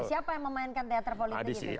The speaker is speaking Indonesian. siapa yang memainkan teater politik itu